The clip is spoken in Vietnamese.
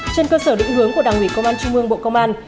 trên cơ sở định hướng của đảng ủy công an trung ương bộ công an